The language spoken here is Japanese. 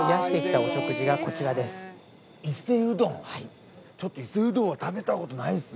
伊勢うどんは食べたことないですね。